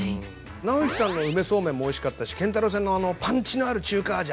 尚之さんの梅そうめんもおいしかったし建太郎さんのパンチのある中華味